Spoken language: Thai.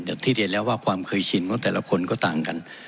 แต่ที่เรียนแล้วว่าความเคยชินของแต่ละคนก็ต่างกัน